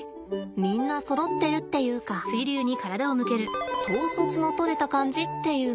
みんなそろってるっていうか統率のとれた感じっていうの？